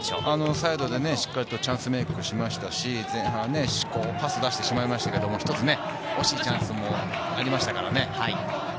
サイドでしっかりチャンスメークしましたし、前半パス出してしまいましたけど、一つ惜しいシーンもありましたからね。